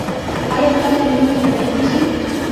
ایا ستاسو لمونځ به نه کیږي؟